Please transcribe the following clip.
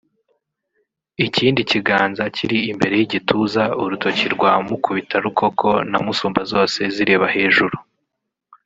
ikindi kiganza kiri imbere y’igituza urutoki rwa mukubitarukoko na musumbazose zireba hejuru